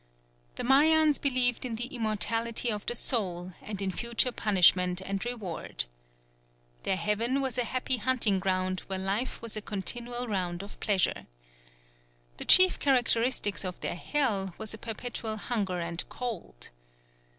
The Mayans believed in the immortality of the soul, and in future punishment and reward. Their heaven was a happy hunting ground where life was a continual round of pleasure. The chief characteristics of their hell were perpetual hunger and cold.